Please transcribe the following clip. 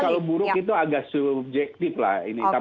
kalau buruk itu agak subjektif lah ini